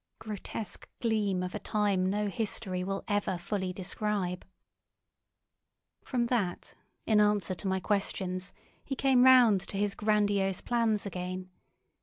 Grotesque gleam of a time no history will ever fully describe! From that, in answer to my questions, he came round to his grandiose plans again.